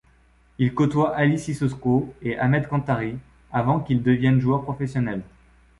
Il côtoie Aly Cissokho et Ahmed Kantari avant qu'ils deviennent joueurs professionnels.